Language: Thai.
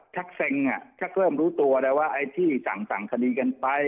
ถักเตรียมรู้ตัวด้วยว่าไอ้ที่สั่งสั่งคดีกันไป